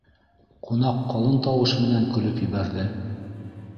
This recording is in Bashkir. — Ҡунаҡ ҡалын тауыш менән көлөп ебәрҙе.